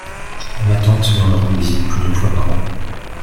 Ma tante vient me rendre visite plus d’une fois par an.